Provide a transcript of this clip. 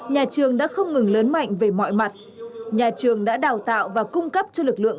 nhà trường đã không ngừng lớn mạnh về mọi mặt nhà trường đã đào tạo và cung cấp cho lực lượng